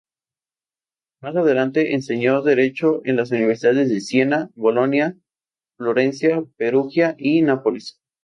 Más adelante enseñó Derecho en las universidades de Siena, Bolonia, Florencia, Perugia y Nápoles.